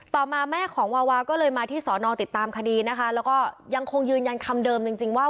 ต่อมาแม่ของวาวาก็เลยมาที่สอนอติดตามคดีนะคะแล้วก็ยังคงยืนยันคำเดิมจริงจริงว่า